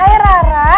ah hai rara